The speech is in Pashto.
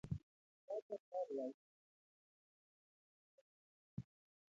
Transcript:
دا تګلاره یوازې په کورنیو پورې محدوده پاتې نه شوه.